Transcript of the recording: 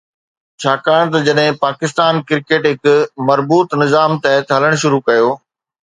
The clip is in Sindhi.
ڇاڪاڻ ته جڏهن پاڪستان ڪرڪيٽ هڪ مربوط نظام تحت هلڻ شروع ڪيو